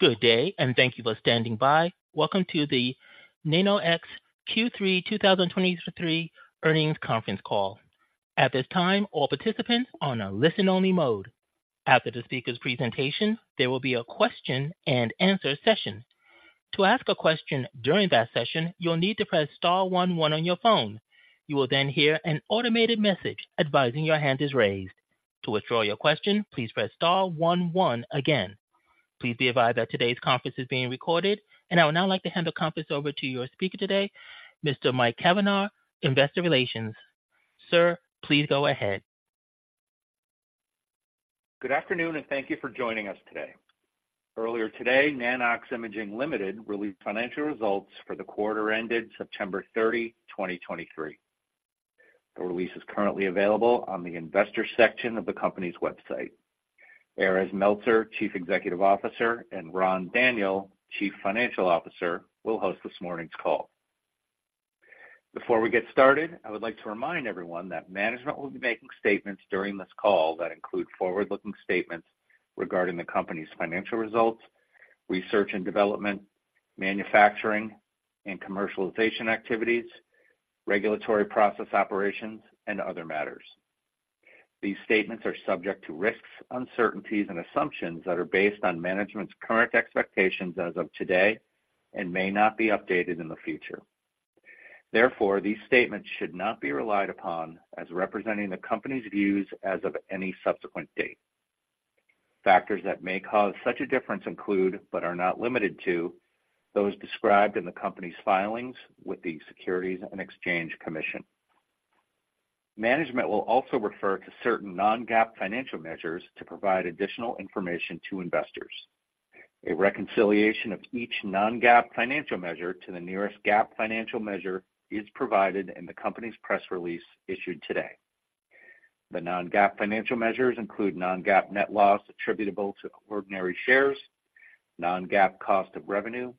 Good day, and thank you for standing by. Welcome to the Nanox Q3 2023 Earnings Conference Call. At this time, all participants are on a listen-only mode. After the speaker's presentation, there will be a question-and-answer session. To ask a question during that session, you'll need to press star one one on your phone. You will then hear an automated message advising your hand is raised. To withdraw your question, please press star one one again. Please be advised that today's conference is being recorded. I would now like to hand the conference over to your speaker today, Mr. Mike Cavanaugh, Investor Relations. Sir, please go ahead. Good afternoon, and thank you for joining us today. Earlier today, Nano-X Imaging Ltd. released financial results for the quarter ended September 30, 2023. The release is currently available on the investor section of the company's website. Erez Meltzer, Chief Executive Officer, and Ran Daniel, Chief Financial Officer, will host this morning's call. Before we get started, I would like to remind everyone that management will be making statements during this call that include forward-looking statements regarding the company's financial results, research and development, manufacturing and commercialization activities, regulatory process operations, and other matters. These statements are subject to risks, uncertainties, and assumptions that are based on management's current expectations as of today and may not be updated in the future. Therefore, these statements should not be relied upon as representing the company's views as of any subsequent date. Factors that may cause such a difference include, but are not limited to, those described in the company's filings with the Securities and Exchange Commission. Management will also refer to certain non-GAAP financial measures to provide additional information to investors. A reconciliation of each non-GAAP financial measure to the nearest GAAP financial measure is provided in the company's press release issued today. The non-GAAP financial measures include: non-GAAP net loss attributable to ordinary shares, non-GAAP cost of revenue,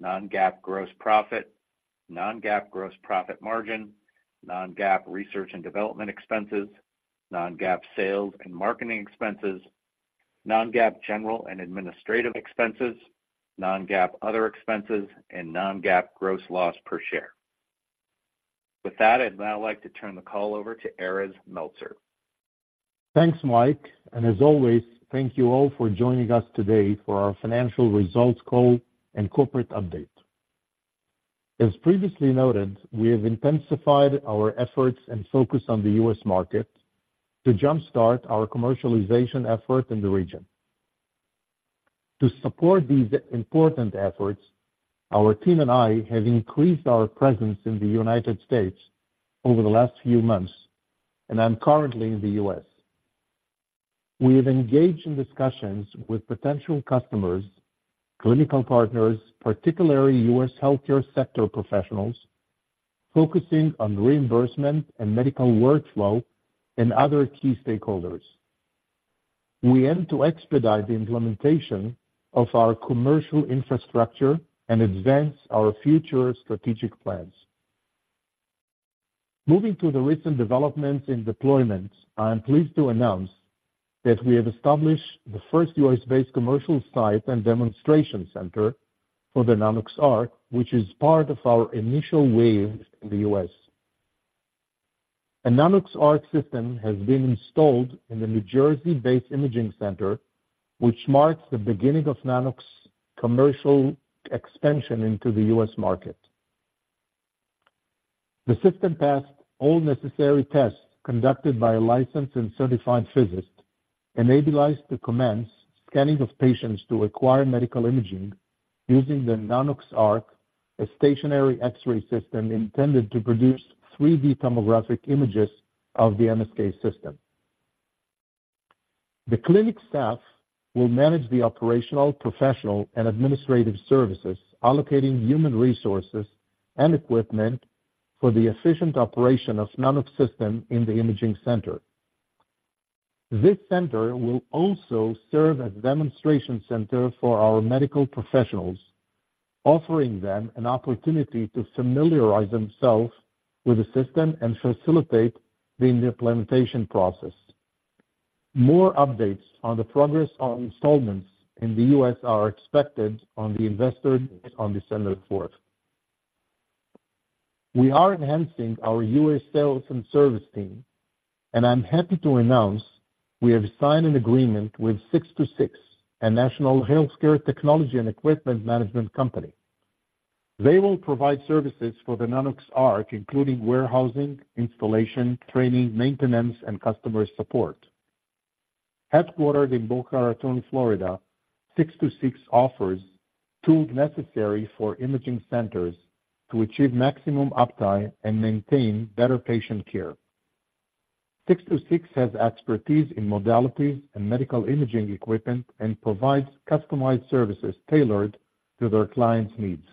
non-GAAP gross profit, non-GAAP gross profit margin, non-GAAP research and development expenses, non-GAAP sales and marketing expenses, non-GAAP general and administrative expenses, non-GAAP other expenses, and non-GAAP gross loss per share. With that, I'd now like to turn the call over to Erez Meltzer. Thanks, Mike, and as always, thank you all for joining us today for our financial results call and corporate update. As previously noted, we have intensified our efforts and focus on the U.S. market to jumpstart our commercialization effort in the region. To support these important efforts, our team and I have increased our presence in the United States over the last few months, and I'm currently in the U.S. We have engaged in discussions with potential customers, clinical partners, particularly U.S. healthcare sector professionals, focusing on reimbursement and medical workflow and other key stakeholders. We aim to expedite the implementation of our commercial infrastructure and advance our future strategic plans. Moving to the recent developments in deployments, I am pleased to announce that we have established the first U.S.-based commercial site and demonstration center for the Nanox.ARC, which is part of our initial wave in the U.S. A Nanox.ARC system has been installed in the New Jersey-based imaging center, which marks the beginning of Nanox commercial expansion into the U.S. market. The system passed all necessary tests conducted by a licensed and certified physicist, enabling us to commence scanning of patients to acquire medical imaging using the Nanox.ARC, a stationary X-ray system intended to produce 3D tomographic images of the MSK system. The clinic staff will manage the operational, professional, and administrative services, allocating human resources and equipment for the efficient operation of Nanox system in the imaging center. This center will also serve as a demonstration center for our medical professionals, offering them an opportunity to familiarize themselves with the system and facilitate the implementation process. More updates on the progress on installations in the U.S. are expected on the Investor Day on December 4. We are enhancing our U.S. sales and service team, and I'm happy to announce we have signed an agreement with 626, a national healthcare technology and equipment management company. They will provide services for the Nanox.ARC, including warehousing, installation, training, maintenance, and customer support. Headquartered in Boca Raton, Florida, 626 offers tools necessary for imaging centers to achieve maximum uptime and maintain better patient care. 626 has expertise in modalities and medical imaging equipment and provides customized services tailored to their clients' needs.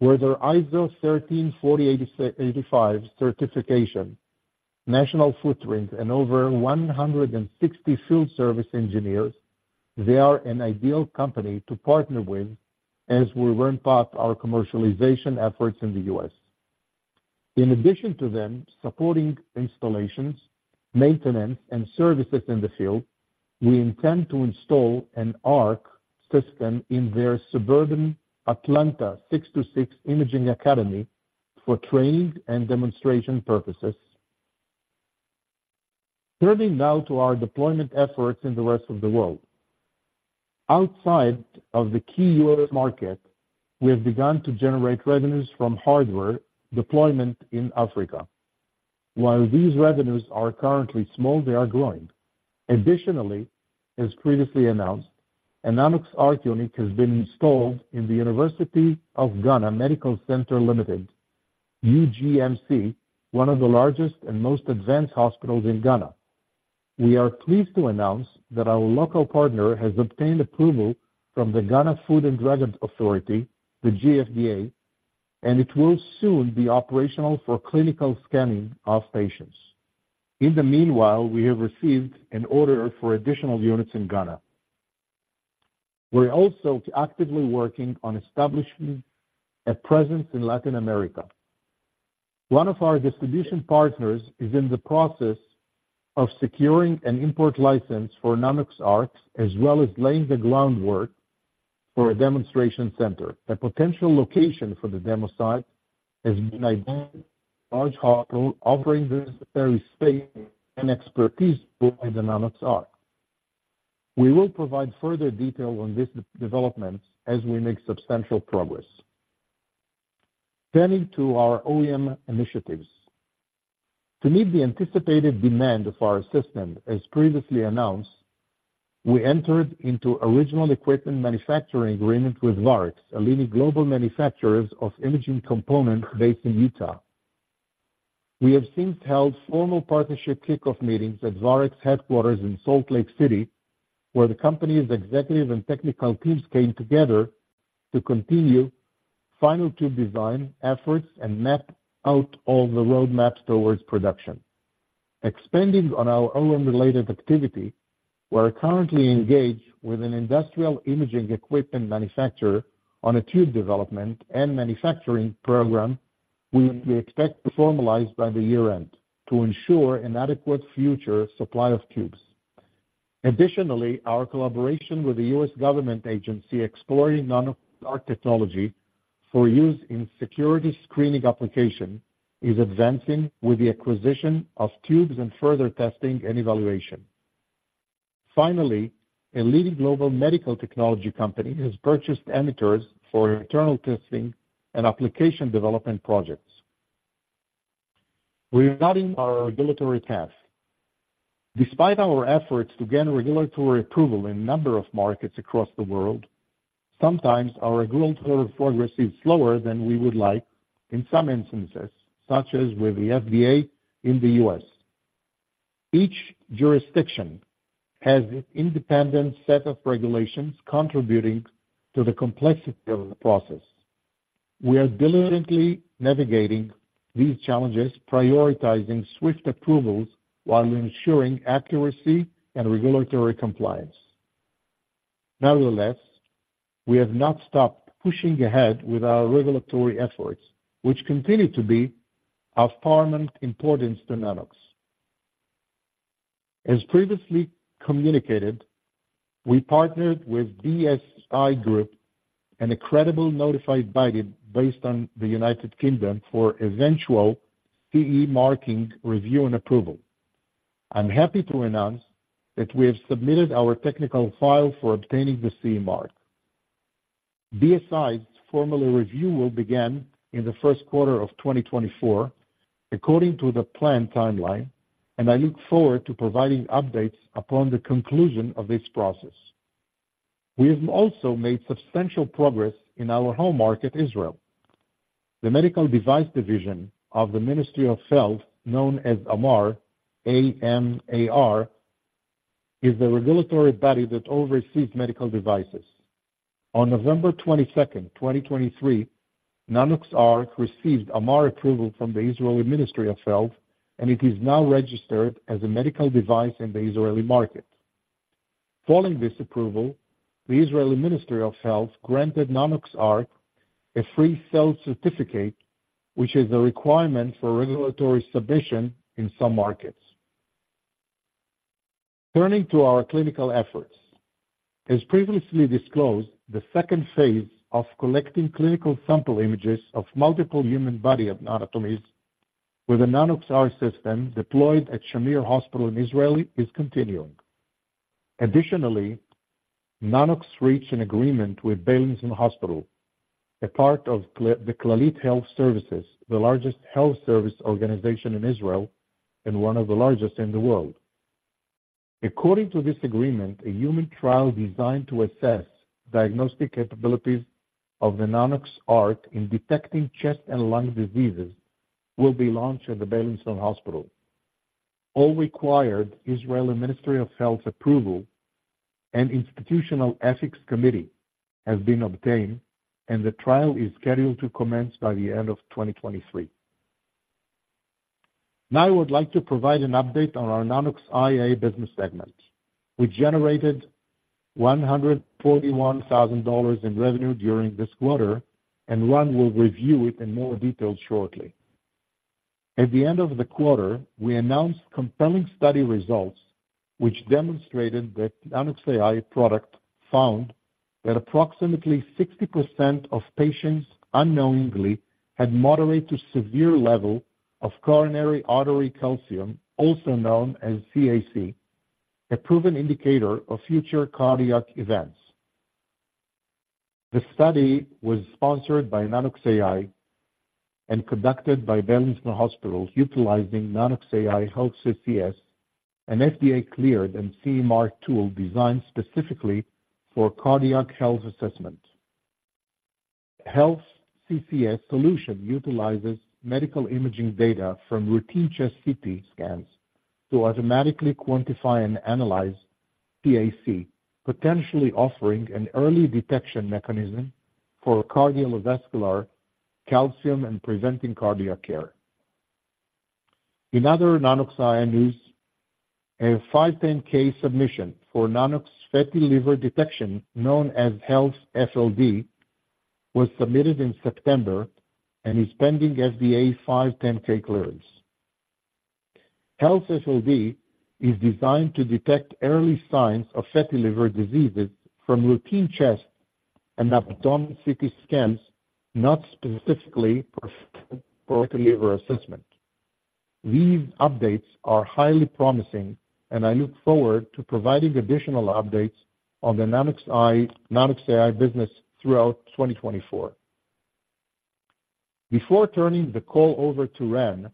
With their ISO 13485 certification, national footprint, and over 160 field service engineers, they are an ideal company to partner with as we ramp up our commercialization efforts in the U.S.... In addition to them supporting installations, maintenance, and services in the field, we intend to install an ARC system in their suburban Atlanta 626 imaging academy for training and demonstration purposes. Turning now to our deployment efforts in the rest of the world. Outside of the key U.S. market, we have begun to generate revenues from hardware deployment in Africa. While these revenues are currently small, they are growing. Additionally, as previously announced, a Nanox.ARC unit has been installed in the University of Ghana Medical Center Limited, UGMC, one of the largest and most advanced hospitals in Ghana. We are pleased to announce that our local partner has obtained approval from the Ghana Food and Drug Authority, the GFDA, and it will soon be operational for clinical scanning of patients. In the meanwhile, we have received an order for additional units in Ghana. We're also actively working on establishing a presence in Latin America. One of our distribution partners is in the process of securing an import license for Nanox.ARC, as well as laying the groundwork for a demonstration center. A potential location for the demo site has been identified, a large hospital offering the necessary space and expertise for the Nanox.ARC. We will provide further detail on this development as we make substantial progress. Turning to our OEM initiatives. To meet the anticipated demand of our system, as previously announced, we entered into an original equipment manufacturer agreement with Varex, a leading global manufacturer of imaging components based in Utah. We have since held formal partnership kickoff meetings at Varex headquarters in Salt Lake City, where the company's executive and technical teams came together to continue final tube design efforts and map out all the roadmaps towards production. Expanding on our OEM-related activity, we're currently engaged with an industrial imaging equipment manufacturer on a tube development and manufacturing program, we expect to formalize by the year-end to ensure an adequate future supply of tubes. Additionally, our collaboration with the U.S. government agency exploring Nanox.ARC technology for use in security screening application is advancing with the acquisition of tubes and further testing and evaluation. Finally, a leading global medical technology company has purchased emitters for internal testing and application development projects. Regarding our regulatory path, despite our efforts to gain regulatory approval in a number of markets across the world, sometimes our regulatory progress is slower than we would like in some instances, such as with the FDA in the U.S. Each jurisdiction has its independent set of regulations, contributing to the complexity of the process. We are diligently navigating these challenges, prioritizing swift approvals while ensuring accuracy and regulatory compliance. Nevertheless, we have not stopped pushing ahead with our regulatory efforts, which continue to be of paramount importance to Nanox. As previously communicated, we partnered with BSI Group, an accredited notified body based on the United Kingdom, for eventual CE marking, review, and approval. I'm happy to announce that we have submitted our technical file for obtaining the CE mark. BSI's formal review will begin in the first quarter of 2024, according to the planned timeline, and I look forward to providing updates upon the conclusion of this process. We have also made substantial progress in our home market, Israel. The medical device division of the Ministry of Health, known as AMAR, A-M-A-R, is the regulatory body that oversees medical devices. On November 22, 2023, Nanox.ARC received AMAR approval from the Israeli Ministry of Health, and it is now registered as a medical device in the Israeli market. Following this approval, the Israeli Ministry of Health granted Nanox.ARC a Free Sale Certificate, which is a requirement for regulatory submission in some markets. Turning to our clinical efforts. As previously disclosed, the second phase of collecting clinical sample images of multiple human body of anatomies with a Nanox.ARC system deployed at Shamir Hospital in Israel is continuing. Additionally, Nanox reached an agreement with Beilinson Hospital, a part of Clalit Health Services, the largest health service organization in Israel and one of the largest in the world. According to this agreement, a human trial designed to assess diagnostic capabilities of the Nanox.ARC in detecting chest and lung diseases will be launched at the Beilinson Hospital. All required Israeli Ministry of Health approval and Institutional Ethics Committee has been obtained, and the trial is scheduled to commence by the end of 2023. Now, I would like to provide an update on our Nanox.AI business segment. We generated $141,000 in revenue during this quarter, and Ran will review it in more detail shortly. At the end of the quarter, we announced compelling study results, which demonstrated that Nanox.AI product found that approximately 60% of patients unknowingly had moderate to severe level of coronary artery calcium, also known as CAC, a proven indicator of future cardiac events. The study was sponsored by Nanox.AI and conducted by Beilinson Hospital, utilizing Nanox.AI HealthCCS, an FDA-cleared and CE-marked tool designed specifically for cardiac health assessment. HealthCCS solution utilizes medical imaging data from routine chest CT scans to automatically quantify and analyze CAC, potentially offering an early detection mechanism for cardiovascular calcium and preventing cardiac care. In other Nanox.AI news, a 510(k) submission for Nanox fatty liver detection, known as HealthFLD, was submitted in September and is pending FDA 510(k) clearance. HealthFLD is designed to detect early signs of fatty liver diseases from routine chest and abdominal CT scans, not specifically prescribed for liver assessment. These updates are highly promising, and I look forward to providing additional updates on the Nanox.AI, Nanox.AI business throughout 2024. Before turning the call over to Ran,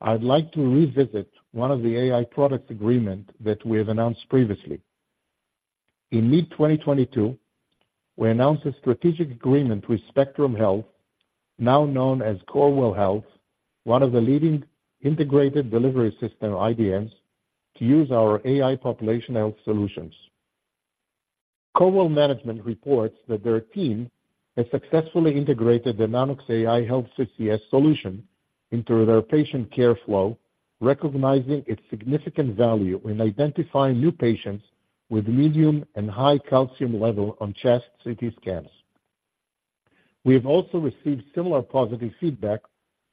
I'd like to revisit one of the AI products agreement that we have announced previously. In mid-2022, we announced a strategic agreement with Spectrum Health, now known as Corewell Health, one of the leading integrated delivery system, IDNs, to use our AI population health solutions. Corewell management reports that their team has successfully integrated the Nanox.AI HealthCCS solution into their patient care flow, recognizing its significant value in identifying new patients with medium and high calcium level on chest CT scans. We have also received similar positive feedback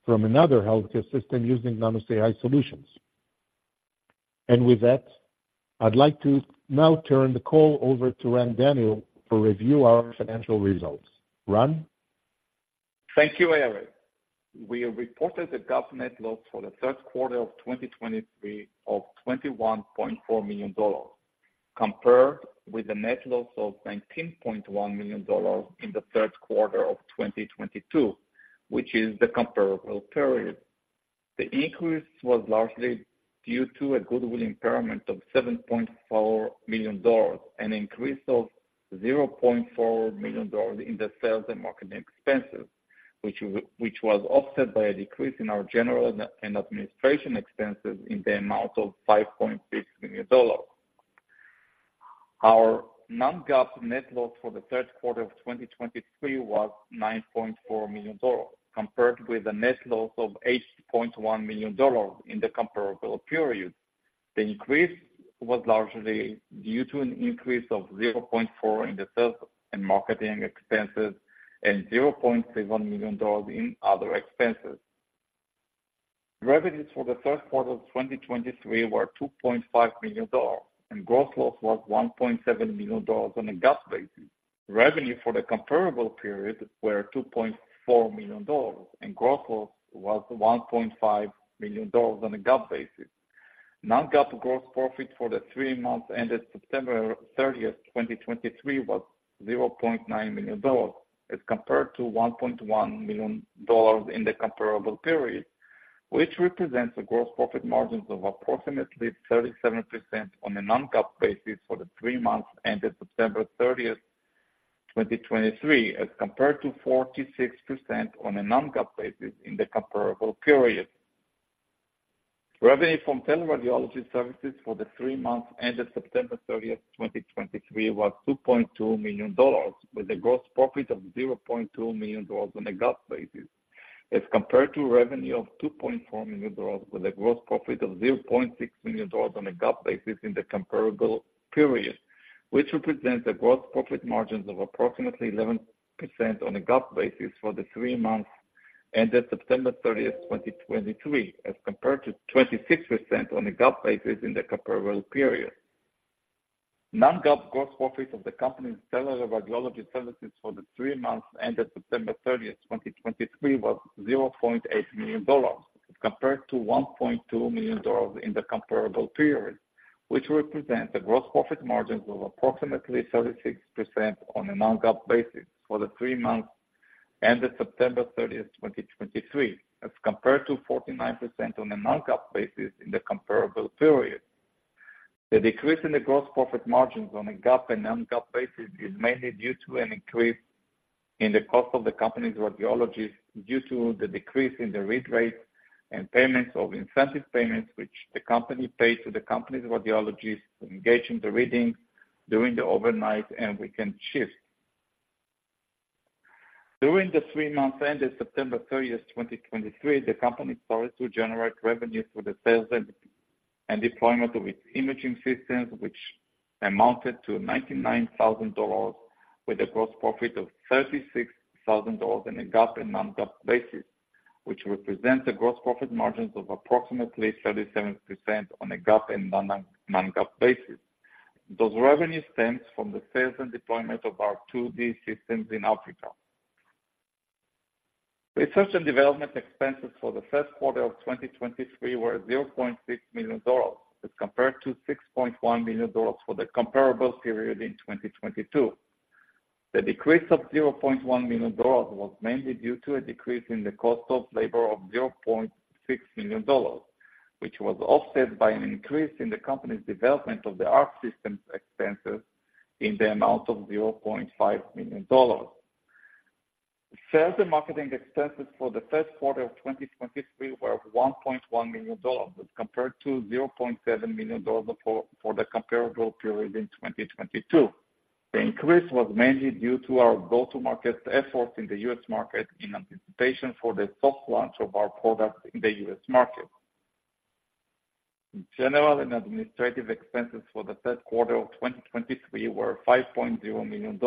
from another healthcare system using Nanox.AI solutions. And with that, I'd like to now turn the call over to Ran Daniel to review our financial results. Ran? Thank you, Erez. We reported a GAAP net loss for the third quarter of 2023 of $21.4 million, compared with a net loss of $19.1 million in the third quarter of 2022, which is the comparable period. The increase was largely due to a goodwill impairment of $7.4 million, an increase of $0.4 million in the sales and marketing expenses, which was offset by a decrease in our general and administration expenses in the amount of $5.6 million. Our non-GAAP net loss for the third quarter of 2023 was $9.4 million, compared with a net loss of $8.1 million in the comparable period. The increase was largely due to an increase of 0.4 in the sales and marketing expenses and $0.6 million in other expenses. Revenues for the first quarter of 2023 were $2.5 million, and gross loss was $1.7 million on a GAAP basis. Revenue for the comparable period were $2.4 million, and gross was $1.5 million on a GAAP basis. Non-GAAP gross profit for the three months ended September 30, 2023, was $0.9 million, as compared to $1.1 million in the comparable period, which represents a gross profit margins of approximately 37% on a non-GAAP basis for the three months ended September 30, 2023, as compared to 46% on a non-GAAP basis in the comparable period. Revenue from teleradiology services for the three months ended September 30, 2023, was $2.2 million, with a gross profit of $0.2 million on a GAAP basis, as compared to revenue of $2.4 million, with a gross profit of $0.6 million on a GAAP basis in the comparable period, which represents a gross profit margins of approximately 11% on a GAAP basis for the three months ended September 30, 2023, as compared to 26% on a GAAP basis in the comparable period. Non-GAAP gross profit of the company's teleradiology services for the three months ended September 30, 2023, was $0.8 million, compared to $1.2 million in the comparable period, which represent the gross profit margins of approximately 36% on a non-GAAP basis for the three months ended September 30, 2023, as compared to 49% on a non-GAAP basis in the comparable period. The decrease in the gross profit margins on a GAAP and non-GAAP basis is mainly due to an increase in the cost of the company's radiologists due to the decrease in the read rates and payments of incentive payments, which the company paid to the company's radiologists to engage in the reading during the overnight, and we can shift.... During the three months ended September 30, 2023, the company started to generate revenue through the sales and deployment of its imaging systems, which amounted to $99,000, with a gross profit of $36,000 on a GAAP and non-GAAP basis, which represents a gross profit margins of approximately 37% on a GAAP and non-GAAP, non-GAAP basis. Those revenues stems from the sales and deployment of our 2D systems in Africa. Research and development expenses for the first quarter of 2023 were $0.6 million, as compared to $6.1 million for the comparable period in 2022. The decrease of $0.1 million was mainly due to a decrease in the cost of labor of $0.6 million, which was offset by an increase in the company's development of the ARC Systems expenses in the amount of $0.5 million. Sales and marketing expenses for the first quarter of 2023 were $1.1 million, as compared to $0.7 million for the comparable period in 2022. The increase was mainly due to our go-to-market efforts in the U.S. market in anticipation for the soft launch of our product in the U.S. market. General and administrative expenses for the third quarter of 2023 were $5.0 million,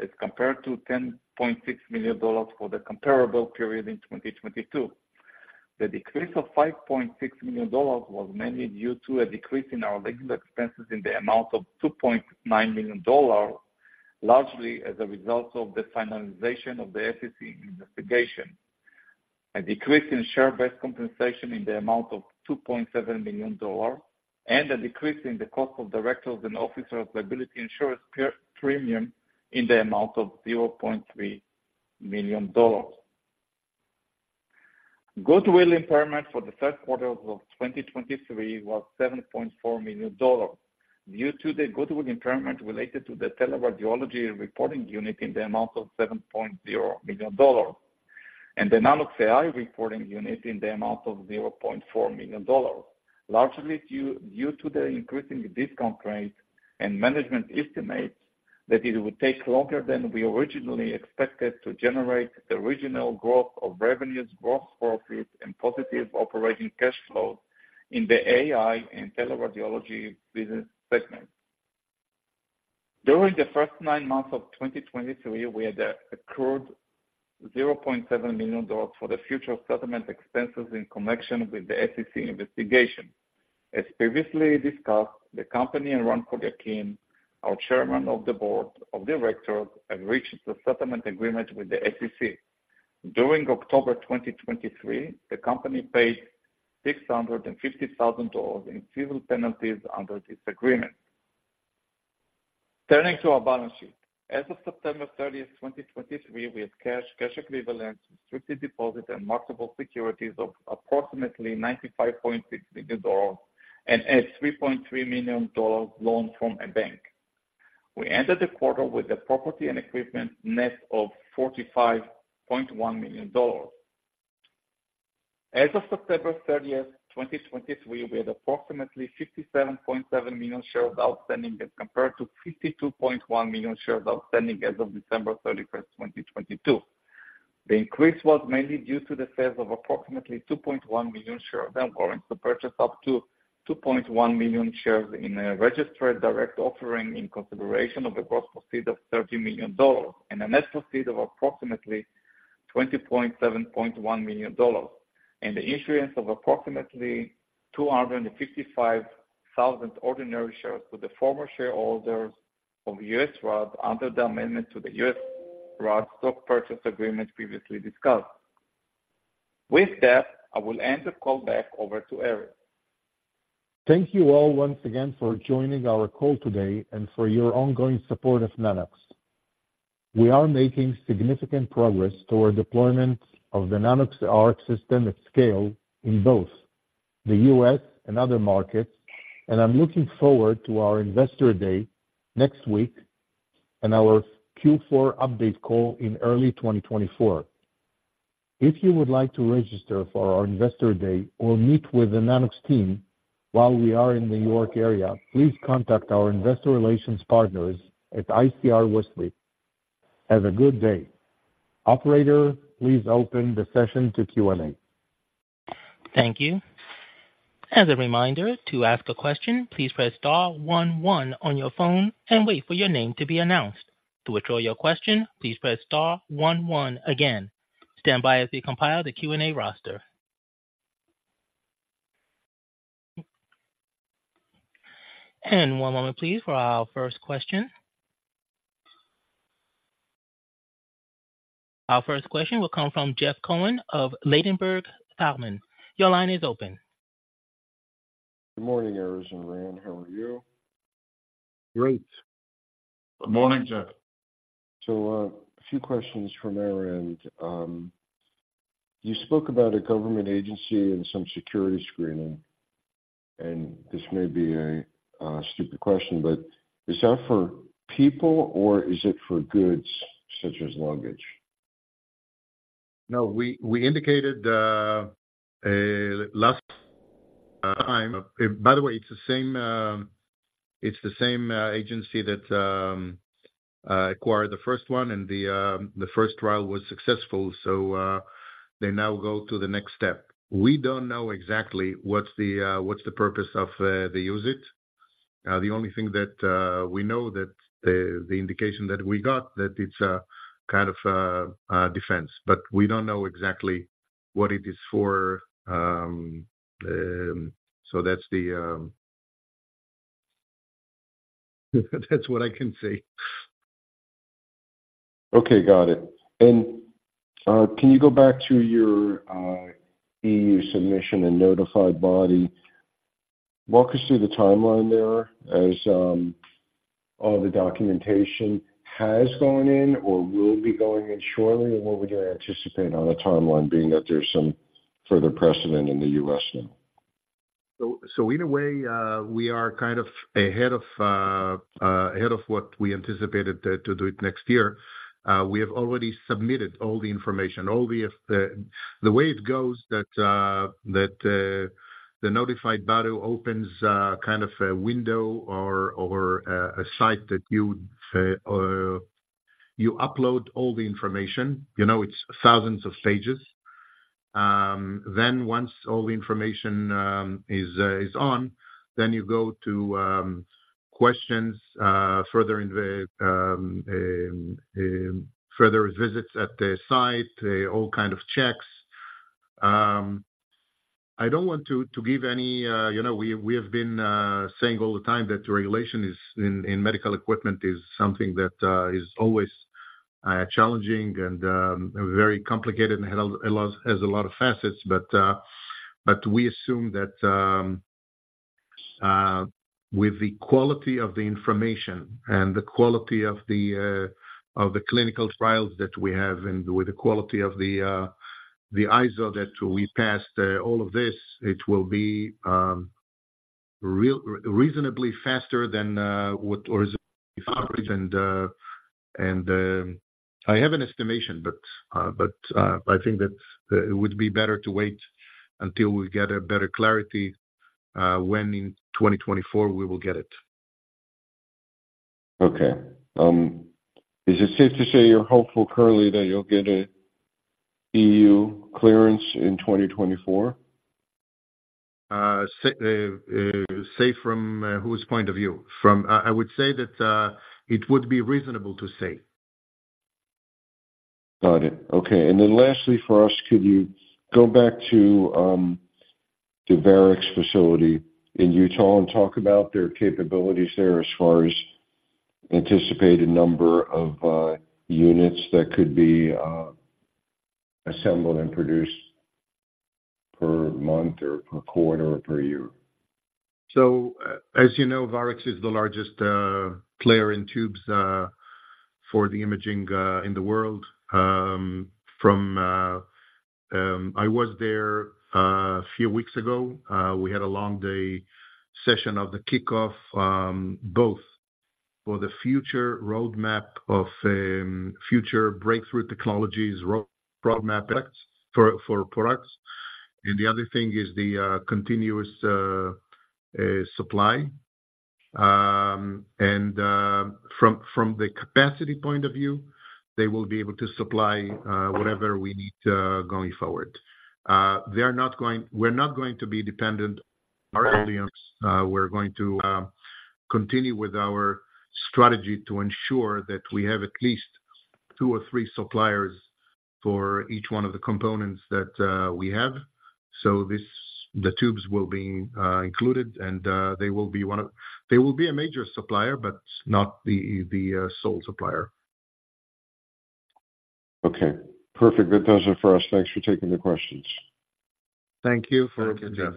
as compared to $10.6 million for the comparable period in 2022. The decrease of $5.6 million was mainly due to a decrease in our legal expenses in the amount of $2.9 million, largely as a result of the finalization of the SEC investigation. A decrease in share-based compensation in the amount of $2.7 million dollars, and a decrease in the cost of directors and officers liability insurance premium in the amount of $0.3 million. Goodwill impairment for the first quarter of 2023 was $7.4 million, due to the goodwill impairment related to the teleradiology reporting unit in the amount of $7.0 million, and the Nanox.AI reporting unit in the amount of $0.4 million. Largely due to the increasing discount rate and management estimates that it would take longer than we originally expected to generate the original growth of revenues, gross profit, and positive operating cash flow in the AI and teleradiology business segment. During the first nine months of 2023, we had accrued $0.7 million for the future settlement expenses in connection with the SEC investigation. As previously discussed, the company and Ran Poliakine, our chairman of the board of directors, have reached a settlement agreement with the SEC. During October 2023, the company paid $650,000 in civil penalties under this agreement. Turning to our balance sheet. As of September 30, 2023, we have cash, cash equivalents, restricted deposits, and marketable securities of approximately $95.6 million and a $3.3 million loan from a bank. We ended the quarter with a property and equipment net of $45.1 million. As of September 30, 2023, we had approximately 57.7 million shares outstanding, as compared to 52.1 million shares outstanding as of December 31, 2022. The increase was mainly due to the sales of approximately 2.1 million shares of our warrants to purchase up to 2.1 million shares in a registered direct offering in consideration of a gross proceed of $30 million, and a net proceed of approximately $20.71 million, and the issuance of approximately 255,000 ordinary shares to the former shareholders of USARAD under the amendment to the USARAD stock purchase agreement previously discussed. With that, I will hand the call back over to Erez. Thank you all once again for joining our call today and for your ongoing support of Nanox. We are making significant progress toward deployment of the Nanox.ARC at scale in both the U.S. and other markets, and I'm looking forward to our Investor Day next week and our Q4 update call in early 2024. If you would like to register for our Investor Day or meet with the Nanox team while we are in New York area, please contact our investor relations partners at ICR Westwicke. Have a good day. Operator, please open the session to Q&A. Thank you. As a reminder, to ask a question, please press star one one on your phone and wait for your name to be announced. To withdraw your question, please press star one one again. Stand by as we compile the Q&A roster. One moment, please, for our first question. Our first question will come from Jeff Cohen of Ladenburg Thalmann. Your line is open. Good morning, Erez and Ran. How are you? Great. Good morning, Jeff. A few questions from our end. You spoke about a government agency and some security screening, and this may be a stupid question, but is that for people or is it for goods such as luggage? ...No, we, we indicated last time. By the way, it's the same, it's the same agency that acquired the first one, and the first trial was successful, so they now go to the next step. We don't know exactly what's the what's the purpose of the use it. The only thing that we know that the indication that we got, that it's a kind of a defense, but we don't know exactly what it is for. So that's the that's what I can say. Okay, got it. And can you go back to your EU submission and notified body? Walk us through the timeline there as all the documentation has gone in or will be going in shortly, and what we can anticipate on the timeline, being that there's some further precedent in the U.S. now. So in a way, we are kind of ahead of what we anticipated to do it next year. We have already submitted all the information, the way it goes, that the notified body opens kind of a window or a site that you upload all the information, you know, it's thousands of pages. Then once all the information is on, then you go to questions, further visits at the site, all kind of checks. I don't want to give any... You know, we have been saying all the time that the regulation in medical equipment is something that is always challenging and very complicated and has a lot, has a lot of facets. But we assume that with the quality of the information and the quality of the clinical trials that we have and with the quality of the ISO that we passed, all of this, it will be reasonably faster than what and I have an estimation, but I think that it would be better to wait until we get a better clarity when in 2024 we will get it. Okay. Is it safe to say you're hopeful currently that you'll get an EU clearance in 2024? Say from whose point of view? From... I would say that it would be reasonable to say. Got it. Okay. And then lastly, for us, could you go back to the Varex facility in Utah and talk about their capabilities there as far as anticipated number of units that could be assembled and produced per month or per quarter or per year? So, as you know, Varex is the largest player in tubes for the imaging in the world. From, I was there a few weeks ago. We had a long day session of the kickoff both for the future roadmap of future breakthrough technologies, roadmap products for products. And the other thing is the continuous supply. And from the capacity point of view, they will be able to supply whatever we need going forward. They are not going—we're not going to be dependent on our volumes. We're going to continue with our strategy to ensure that we have at least two or three suppliers for each one of the components that we have. So this, the tubes will be included, and they will be a major supplier, but not the sole supplier. Okay, perfect. That does it for us. Thanks for taking the questions. Thank you for it, Jeff.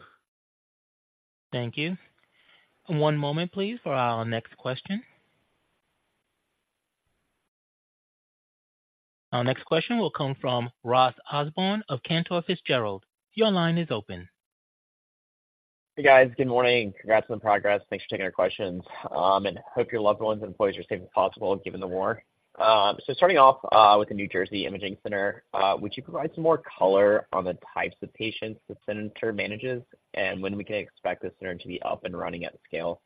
Thank you. One moment, please, for our next question. Our next question will come from Ross Osborne of Cantor Fitzgerald. Your line is open. Hey, guys. Good morning. Congrats on the progress. Thanks for taking our questions, and hope your loved ones and employees are safe as possible given the war. So starting off, with the New Jersey Imaging Center, would you provide some more color on the types of patients the center manages and when we can expect the center to be up and running at scale?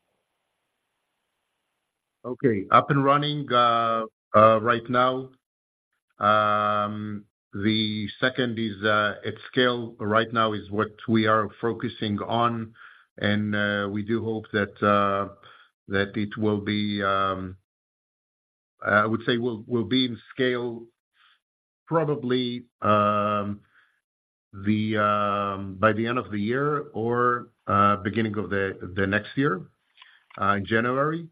Okay. Up and running right now, the second is at scale right now is what we are focusing on, and we do hope that it will be, I would say will be in scale probably by the end of the year or beginning of the next year in January.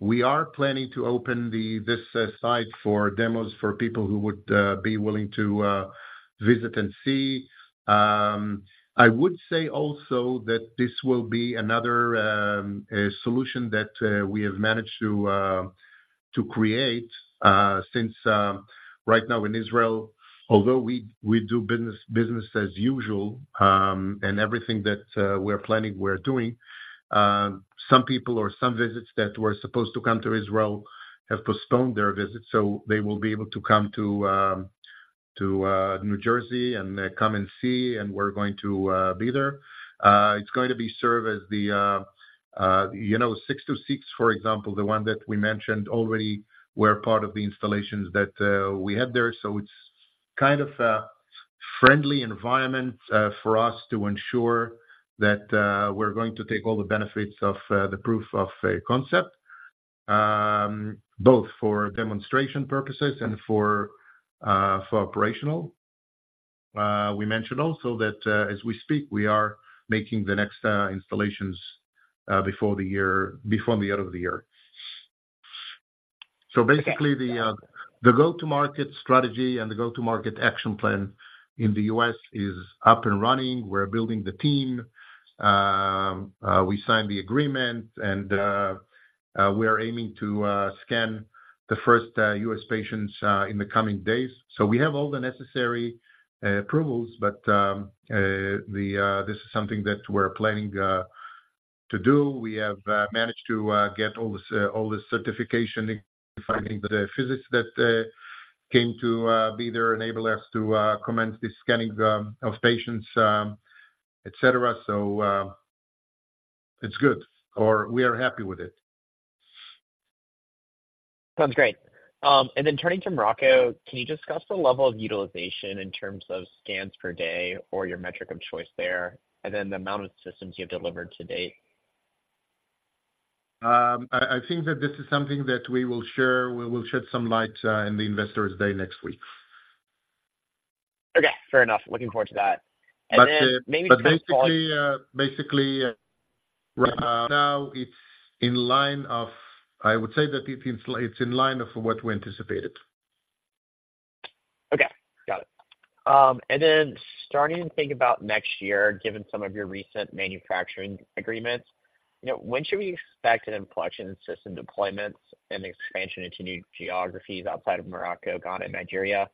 We are planning to open this site for demos for people who would be willing to visit and see. I would say also that this will be another solution that we have managed to create. Since right now in Israel, although we do business as usual, and everything that we're planning, we're doing, some people or some visits that were supposed to come to Israel have postponed their visits, so they will be able to come to New Jersey and come and see, and we're going to be there. It's going to be served as the, you know, Six to Six, for example, the one that we mentioned already, were part of the installations that we have there. So it's kind of a friendly environment for us to ensure that we're going to take all the benefits of the proof of a concept, both for demonstration purposes and for operational. We mentioned also that, as we speak, we are making the next installations before the end of the year. So basically, the go-to-market strategy and the go-to-market action plan in the U.S. is up and running. We're building the team. We signed the agreement, and we are aiming to scan the first U.S. patients in the coming days. So we have all the necessary approvals, but this is something that we're planning to do. We have managed to get all the certification, finding the physicists that came to be there, enable us to commence the scanning of patients, et cetera. So, it's good, or we are happy with it. Sounds great. And then turning to Morocco, can you discuss the level of utilization in terms of scans per day or your metric of choice there, and then the amount of systems you have delivered to date? I think that this is something that we will share. We will shed some light in the Investors Day next week. Okay, fair enough. Looking forward to that. And then maybe- Basically, right now, it's in line of... I would say that it's in line of what we anticipated. Okay, got it. And then starting to think about next year, given some of your recent manufacturing agreements, you know, when should we expect an inflection in system deployments and expansion into new geographies outside of Morocco, Ghana, and Nigeria?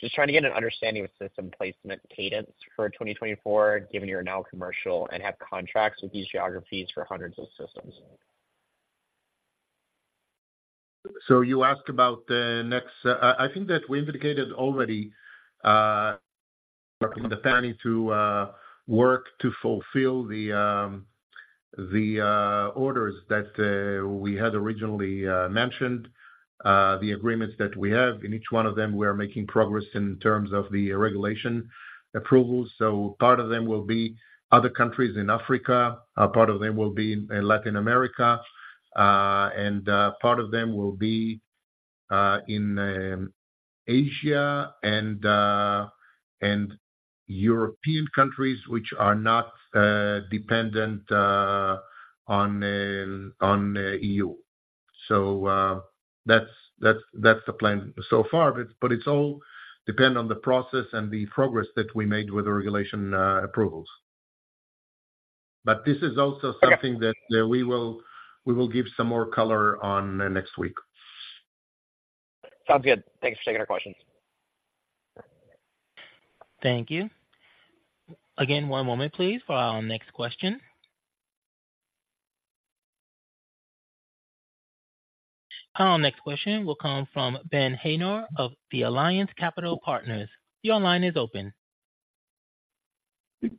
Just trying to get an understanding of system placement cadence for 2024, given you're now commercial and have contracts with these geographies for hundreds of systems. So you asked about the next. I think that we indicated already the planning to work to fulfill the orders that we had originally mentioned. The agreements that we have, in each one of them, we are making progress in terms of the regulation approvals. So part of them will be other countries in Africa, part of them will be in Latin America, and part of them will be in Asia and European countries, which are not dependent on EU. So that's the plan so far, but it's all depend on the process and the progress that we made with the regulation approvals. But this is also something- Okay. that we will give some more color on next week. Sounds good. Thanks for taking our questions. Thank you. Again, one moment, please, for our next question. Our next question will come from Ben Haynor of The Alliance Capital Partners. Your line is open.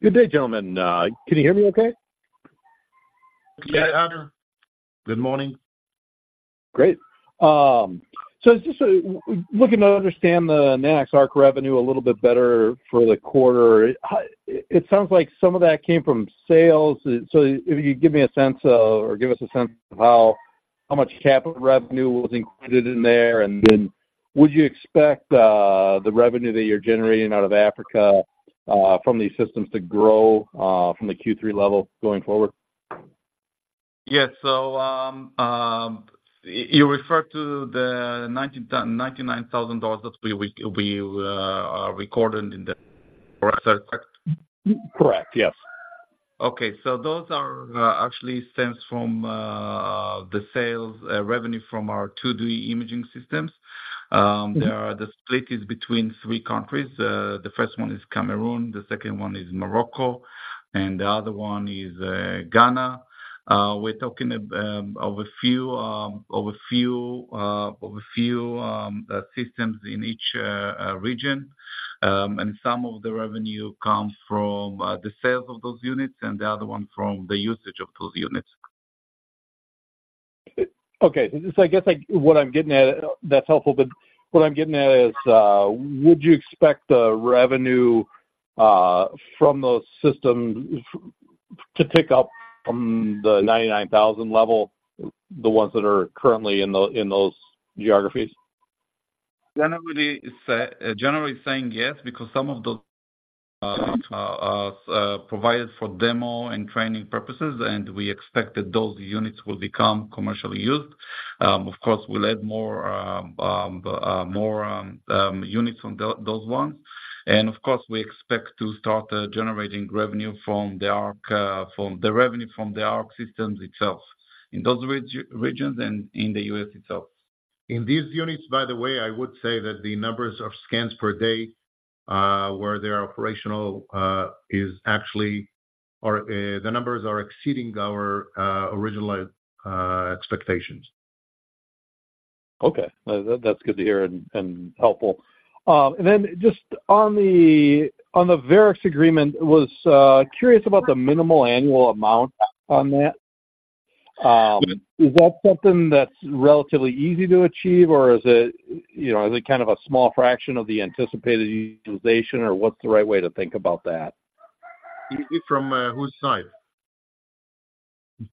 Good day, gentlemen. Can you hear me okay? Yeah, good morning. Great. So just looking to understand the Nanox.ARC revenue a little bit better for the quarter. It sounds like some of that came from sales. So if you could give me a sense of, or give us a sense of how much capital revenue was included in there, and then would you expect the revenue that you're generating out of Africa from these systems to grow from the Q3 level going forward? Yes. So, you referred to the $99,000 that we recorded in the quarter? Correct. Yes. Okay, so those are actually stems from the sales revenue from our 2D imaging systems. The split is between three countries. The first one is Cameroon, the second one is Morocco, and the other one is Ghana. We're talking of a few systems in each region. And some of the revenue comes from the sales of those units, and the other one from the usage of those units. Okay. So I guess, like, what I'm getting at, that's helpful, but what I'm getting at is, would you expect the revenue from those systems to pick up from the $99,000 level, the ones that are currently in those, in those geographies? Generally, generally saying yes, because some of those provided for demo and training purposes, and we expect that those units will become commercially used. Of course, we'll add more, more units on those ones. And of course, we expect to start generating revenue from the Arc, from the revenue from the Arc systems itself. In those regions and in the U.S. itself. In these units, by the way, I would say that the numbers of scans per day, where they are operational, is actually... the numbers are exceeding our original expectations.... Okay, that, that's good to hear and, and helpful. And then just on the Varex agreement, was curious about the minimal annual amount on that. Is that something that's relatively easy to achieve, or is it, you know, is it kind of a small fraction of the anticipated utilization, or what's the right way to think about that? Easy from, whose side? Say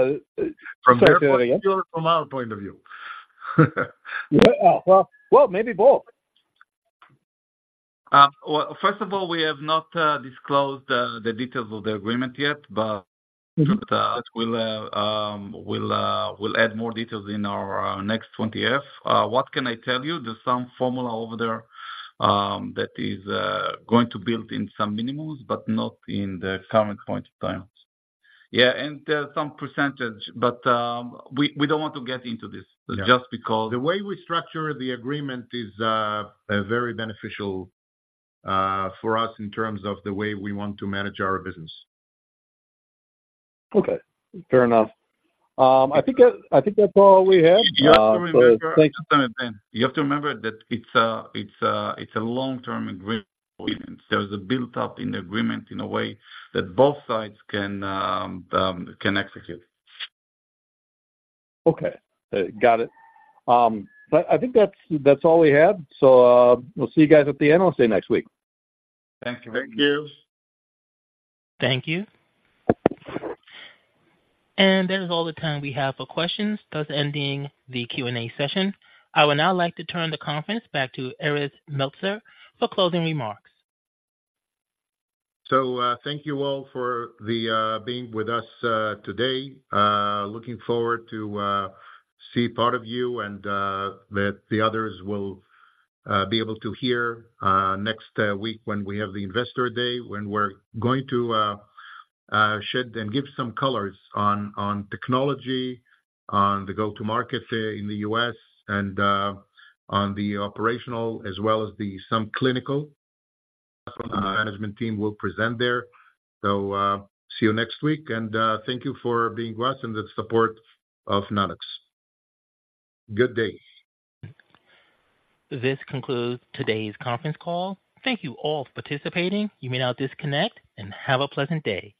it again. From their point of view or from our point of view? Well, well, maybe both. Well, first of all, we have not disclosed the details of the agreement yet, but we'll add more details in our next 20-F. What can I tell you? There's some formula over there that is going to build in some minimums, but not in the current point in time. Yeah, and, some percentage, but, we don't want to get into this- Yeah. Just because the way we structure the agreement is a very beneficial for us in terms of the way we want to manage our business. Okay, fair enough. I think, I think that's all we have. So thank you. You have to remember that it's a long-term agreement. There's a build-up in the agreement in a way that both sides can execute. Okay. Got it. But I think that's, that's all we have. So, we'll see you guys at the analyst day next week. Thank you. Thank you. Thank you. And that is all the time we have for questions, thus ending the Q&A session. I would now like to turn the conference back to Erez Meltzer for closing remarks. So, thank you all for being with us today. Looking forward to see part of you and that the others will be able to hear next week when we have the Investor Day, when we're going to shed and give some colors on technology, on the go-to-market in the U.S., and on the operational, as well as some clinical. Management team will present there. So, see you next week, and thank you for being with us and the support of Nanox. Good day. This concludes today's conference call. Thank you all for participating. You may now disconnect, and have a pleasant day.